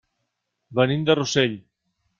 Venim de Rossell.